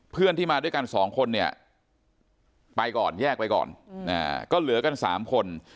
เพื่อนที่มาด้วยกันสองคนเนี่ยไปก่อนแยกไปก่อนก็เหลือกัน๓คน